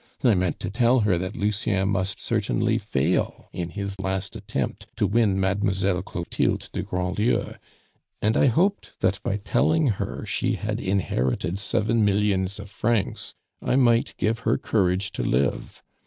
I meant to tell her that Lucien must certainly fail in his last attempt to win Mademoiselle Clotilde de Grandlieu; and I hoped that by telling her she had inherited seven millions of francs, I might give her courage to live.